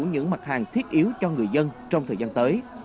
những mặt hàng thiết yếu cho người dân trong thời gian tới